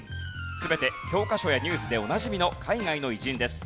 全て教科書やニュースでおなじみの海外の偉人です。